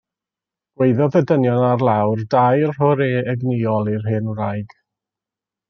Gwaeddodd y dynion ar lawr dair hwrê egnïol i'r hen wraig.